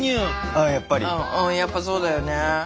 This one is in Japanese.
あっやっぱそうだよね。